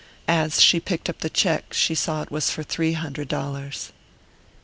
As she picked up the cheque she saw it was for three hundred dollars.